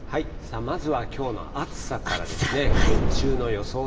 まずはきょうの暑さからですね。